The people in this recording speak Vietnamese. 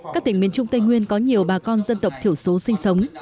các tỉnh miền trung tây nguyên có nhiều bà con dân tộc thiểu số sinh sống